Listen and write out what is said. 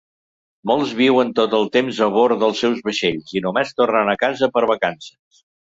Molts viuen tot el temps a bord dels seus vaixells i només tornen a casa per vacances.